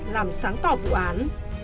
làm sáng tỏ vụ án